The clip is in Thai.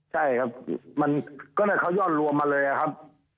ใช่ครับก็ได้เขาย่อนรวมมาเลยครับ